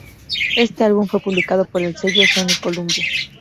Este álbum fue publicado por el sello Sony-Columbia.